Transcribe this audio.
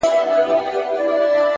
مثبت ذهن فرصتونه جذبوي.!